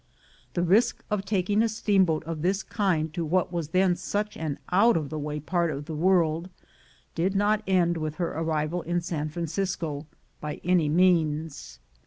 The risk of taking a steamboat of this kind to what was then such an out of the way part of the world, did not end with her arrival in San Francisco by any means.